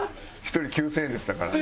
１人９０００円ですだから。